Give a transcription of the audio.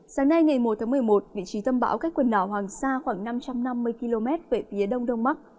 sáng nay ngày một tháng một mươi một vị trí tâm bão cách quần đảo hoàng sa khoảng năm trăm năm mươi km về phía đông đông bắc